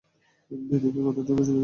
দিদিকে কতটা খুশি দেখাচ্ছে।